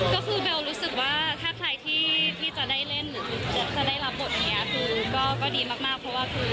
ก็คือเบลล์รู้สึกว่าถ้าใครที่จะได้เล่นหรือที่เจสจะได้รับบทอย่างนี้